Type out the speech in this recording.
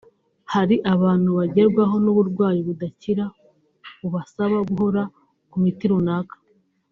Hari abantu bagerwaho n’uburwayi budakira bubasaba guhora ku miti runaka